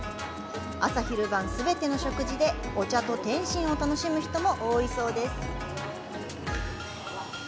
朝昼晩、全ての食事で、お茶と点心を楽しむ人も多いそうです。